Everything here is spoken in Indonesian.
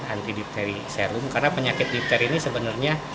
anti dipteri serum karena penyakit difteri ini sebenarnya